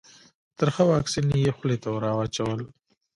ترخه واکسین یې خولې ته راواچول.